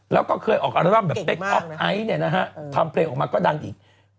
แล้วก็เคยออกอัลมาศแบบเป๊กอ๊อกไอท์ทำเพลงออกมาก็ดังอีก